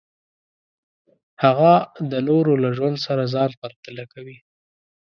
هغه د نورو له ژوند سره ځان پرتله کوي.